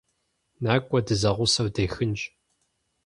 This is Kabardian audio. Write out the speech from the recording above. НакӀуэ, дызэгъусэу дехынщ.